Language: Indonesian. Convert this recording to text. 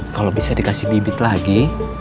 kalau bisa dikasih bibit lagi